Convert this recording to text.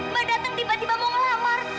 mbak datang tiba tiba mau ngelamar